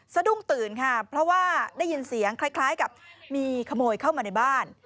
สะดุ้งตื่นค่ะเพราะว่าได้ยินเสียงคล้ายกับมีขโมยเข้ามาในบ้าน